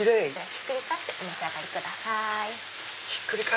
ひっくり返してお召し上がりください。